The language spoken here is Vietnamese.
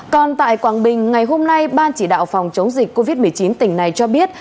còn tại quảng bình ngày hôm nay ban chỉ đạo phòng chống dịch covid một mươi chín tỉnh này cho biết